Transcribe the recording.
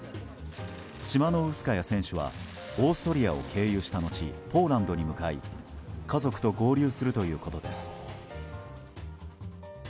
チマノウスカヤ選手はオーストリアを経由したのちポーランドに向かい家族と合流するということです。